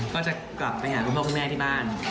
ก็จะกลับไปหาคุณพ่อคุณแม่ที่บ้าน